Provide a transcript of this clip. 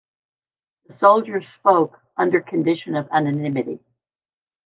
The soldiers spoke under condition of anonymity.